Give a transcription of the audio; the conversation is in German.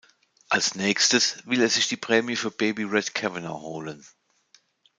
Als nächstes will er sich die Prämie für Baby Red Cavanagh holen.